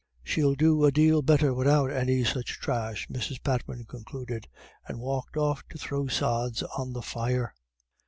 "She'll do a dale better widout any such thrash," Mrs. Patman concluded, and walked off to throw sods on the fire.